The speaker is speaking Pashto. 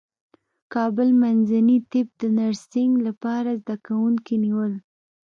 کابل منځني طب د نرسنګ لپاره زدکوونکي نیول